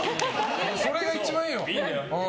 それが一番いいよ。